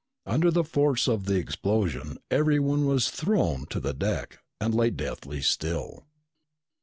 Under the force of the explosion, everyone was thrown to the deck and lay deathly still.